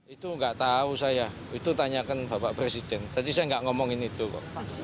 itu nggak tahu saya itu tanyakan bapak presiden tadi saya nggak ngomongin itu kok